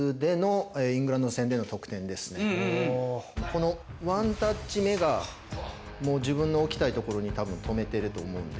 このワンタッチ目が自分の置きたい所に多分止めてると思うんですよ。